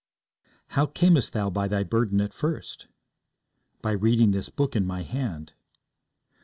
'How camest thou by thy burden at first?' By reading this Book in my hand.'